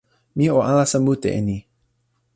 mi o alasa mute e ni.